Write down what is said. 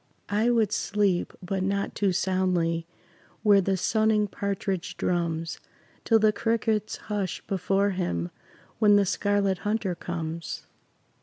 I would sleep, but not too soundly, Where the sunning partridge drums, Till the crickets hush before him When the Scarlet Hunter comes.